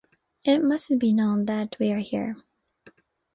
It mustn't be known that we're here.